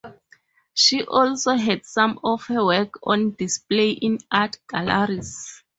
She also had some of her work on display in art galleries.